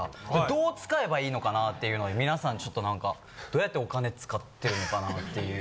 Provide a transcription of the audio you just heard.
どう使えばいいのかなっていうのでみなさんちょっと何かどうやってお金使ってるのかなっていう。